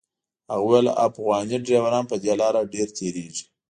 هغه ویل افغاني ډریوران په دې لاره ډېر تېرېږي.